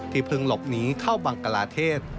เพิ่งหลบหนีเข้าบังกลาเทศ